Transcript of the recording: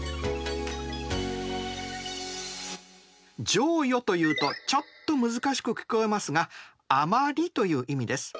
剰余と言うとちょっと難しく聞こえますが余りという意味です。